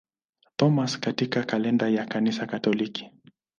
Thomas katika kalenda ya Kanisa Katoliki.